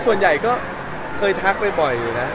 ส่วนใหญ่ก็เคยทักบ่อยอยู่นะ